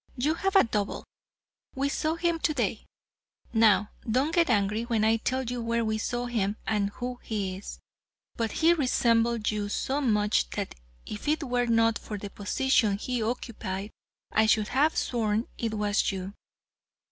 You have a double; we saw him today. Now, don't get angry when I tell you where we saw him and who he is, but he resembled you so much that if it were not for the position he occupied I should have sworn it was you.